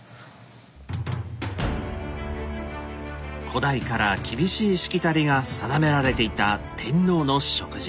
古代から厳しいしきたりが定められていた天皇の食事。